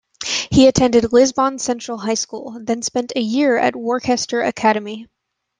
He attended Lisbon Central High School, then spent a year at Worcester Academy.